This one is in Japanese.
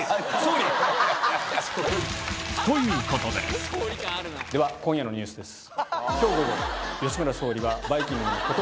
ということででは今夜のニュースです。